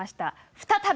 再び。